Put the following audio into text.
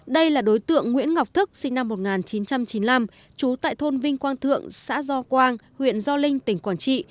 đây là đối tượng nguyễn ngọc thức sinh năm một nghìn chín trăm chín mươi năm trú tại thôn vinh quang thượng xã do quang huyện gio linh tỉnh quảng trị